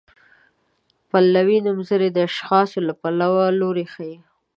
پلوي نومځري د اشخاصو له پلوه لوری ښيي.